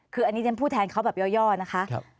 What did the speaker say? คืออันนี้ฉันพูดแทนเขาแบบย่อนะคะ